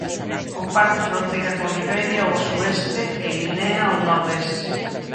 Comparte fronteira con Liberia ao sueste e Guinea ao nordés.